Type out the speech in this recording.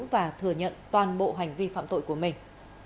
và thừa nhận toàn bộ hành vi phạm tội của mình